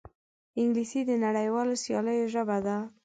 انګلیسي د نړیوالو سیالیو ژبه ده